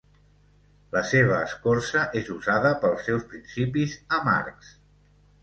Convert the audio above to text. La seva escorça és usada pels seus principis amargs.